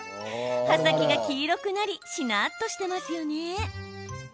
葉先が黄色くなりしなっとしていますね。